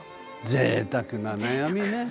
ぜいたくな悩みね。